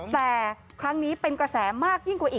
แต่ครั้งนี้เป็นกระแสมากยิ่งกว่าอีก